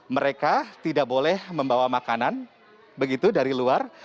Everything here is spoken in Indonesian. mereka tidak boleh membawa makanan begitu dari luar